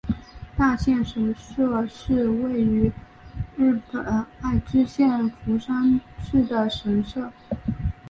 大县神社是位在日本爱知县犬山市的神社。